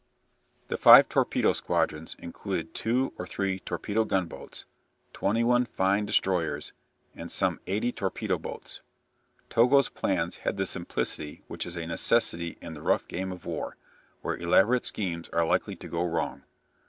The five torpedo squadrons included two or three torpedo gunboats, twenty one fine destroyers, and some eighty torpedo boats. Togo's plans had the simplicity which is a necessity in the rough game of war, where elaborate schemes are likely to go wrong.